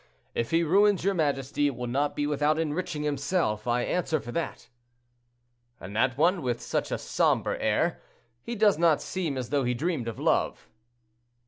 If he ruins your majesty, it will not be without enriching himself, I answer for it." "And that one, with such a somber air; he does not seem as though he dreamed of love."